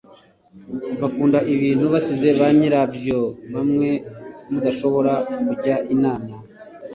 bakunda ibintu basize banyirabyo bamwe mudashobora kujya inama